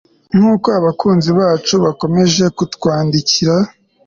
nkuko abakunzi bacu bakomeje kutwandikira